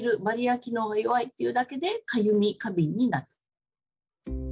バリア機能が弱いっていうだけでかゆみ過敏になる。